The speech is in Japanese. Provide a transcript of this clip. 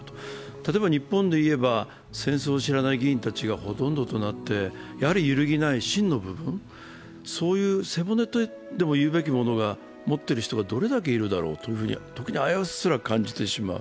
例えば日本で言えば戦争を知らない議員たちがほとんどとなって、やはり揺るぎない芯の部分、背骨とでもいうべきものを持ってる人がどれだけいるだろうと危うさすら感じてしまう。